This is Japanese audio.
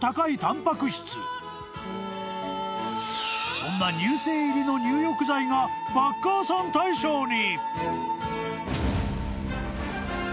［そんな乳清入りの入浴剤がバッカーさん大賞に］